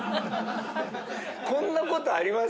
こんなことあります？